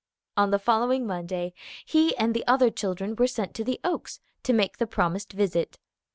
On the following Monday he and the other children were sent to the Oaks to make the promised visit.